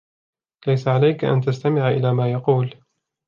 ليس عليك أن تستمع إلی ما يقول.